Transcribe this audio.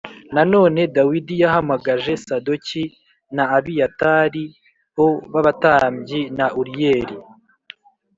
Nanone Dawidi yahamagaje Sadoki n na Abiyatari o b abatambyi na Uriyeli